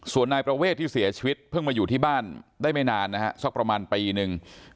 ส่วนนายประเวทที่เสียชีวิตเพิ่งมาอยู่ที่บ้านได้ไม่นานนะฮะสักประมาณปีหนึ่ง